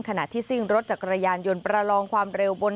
ขณะที่ซิ่งรถจักรยานยนต์ประลองความเร็วบน